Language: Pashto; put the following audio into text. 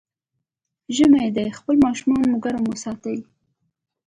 ژمی دی، خپل ماشومان مو ګرم وساتئ.